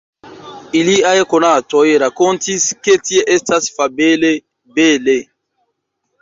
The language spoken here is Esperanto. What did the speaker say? Iliaj konatoj rakontis, ke tie estas fabele bele.